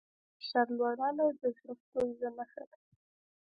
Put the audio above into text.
د وینې د فشار لوړوالی د زړۀ ستونزې نښه ده.